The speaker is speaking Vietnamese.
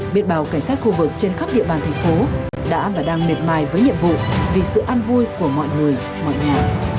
biệt bào cảnh sát khu vực trên khắp địa bàn thành phố đã và đang miệt mài với nhiệm vụ vì sự an vui của mọi người mọi nhà